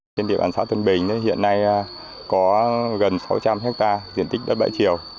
trên địa bàn xã tân bình hiện nay có gần sáu trăm linh ha diện tích đất bãi triều